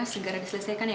biayanya sebanyak ini